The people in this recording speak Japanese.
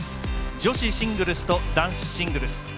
女子シングルスと男子シングルス。